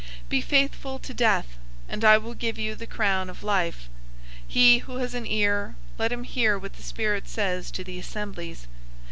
Be faithful to death, and I will give you the crown of life. 002:011 He who has an ear, let him hear what the Spirit says to the assemblies.